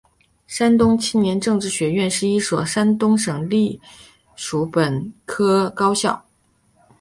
山东青年政治学院是一所山东省属普通本科高校。